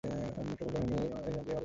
Metro-Goldwyn-Mayer এই হলের মালিক।